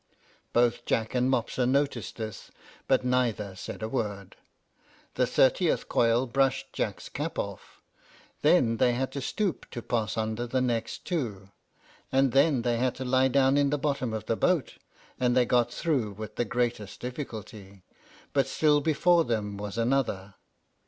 Both Jack and Mopsa noticed this, but neither said a word. The thirtieth coil brushed Jack's cap off, then they had to stoop to pass under the two next, and then they had to lie down in the bottom of the boat, and they got through with the greatest difficulty; but still before them was another!